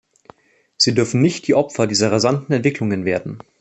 Sie dürfen nicht die Opfer dieser rasanten Entwicklungen werden.